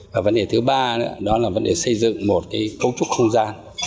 và vấn đề thứ ba đó là vấn đề xây dựng một cấu trúc không gian